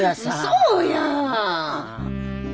そうや！